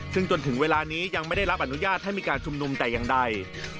ซึ่งจนถึงเวลานี้ยังไม่ได้รับอนุญาตให้มีการชุมนุมแต่อย่างใด